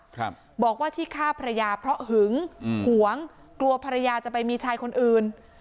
ครับบอกว่าที่ฆ่าภรรยาเพราะหึงอืมหวงกลัวภรรยาจะไปมีชายคนอื่น